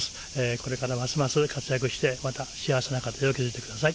これからますます活躍して、また幸せな家庭を築いてください。